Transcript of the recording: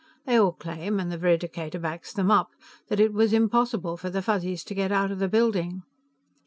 They all claim, and the veridicator backs them up, that it was impossible for the Fuzzies to get out of the building."